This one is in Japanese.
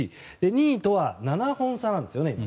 ２位とは７本差なんですよね。